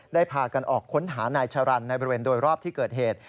พากันออกค้นหานายชะรันในบริเวณโดยรอบที่เกิดเหตุ